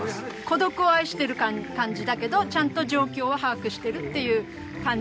孤独を愛してる感じだけどちゃんと状況は把握してるっていう感じだと私は思います。